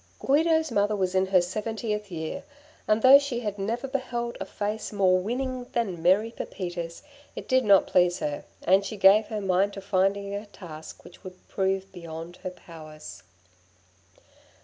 Guido's mother was in her seventieth year, and though she had never beheld a face more winning than merry Pepita's, it did not please her, and she gave her mind to finding a task which would prove beyond her powers.